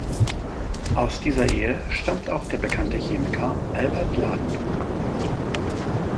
Aus dieser Ehe stammt auch der bekannte Chemiker Albert Ladenburg.